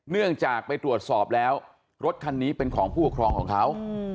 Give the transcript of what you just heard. เนื่องจากไปตรวจสอบแล้วรถคันนี้เป็นของผู้ปกครองของเขา